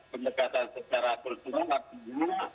pendekatan secara kultural artinya